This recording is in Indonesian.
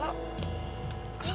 ini udah mulai